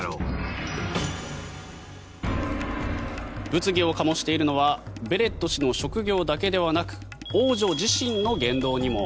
物議を醸しているのはベレット氏の職業だけではなく王女自身の言動にも。